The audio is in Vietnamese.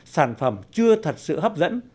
sản phẩm chưa thật sự hấp dẫn